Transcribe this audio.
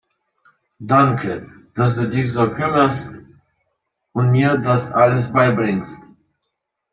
Danke, dass du dich so kümmerst und mir das alles beibringst.